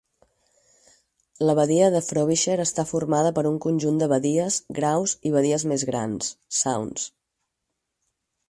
La Badia de Frobisher està formada per un conjunt de badies, graus i badies més grans ("sounds").